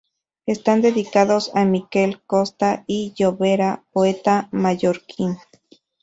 Están dedicados a Miquel Costa i Llobera, poeta mallorquín.